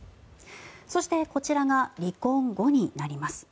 そしてこちらが離婚後になります。